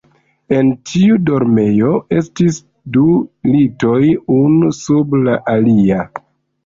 En tiu dormejo estis du litoj, unu sub la alia.